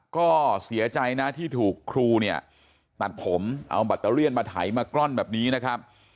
ก็เสียใจนะที่ถูกครูเนี่ยตัดผมเอาแบตเตอเลี่ยนมาไถมาก้อนแบบนี้นะครับ